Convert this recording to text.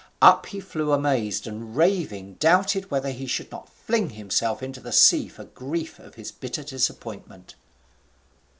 Up he flew amazed, and, raving, doubted whether he should not fling himself into the sea for grief of his bitter disappointment.